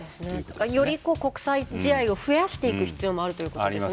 より国際試合を増やしていく必要もあるということですね。